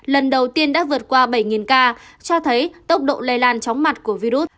lần đầu tiên đã vượt qua bảy ca cho thấy tốc độ lây lan chóng mặt của virus